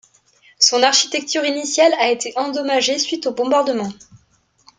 Son architecture initiale a été endommagée suite aux bombardements.